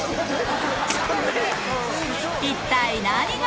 一体何が？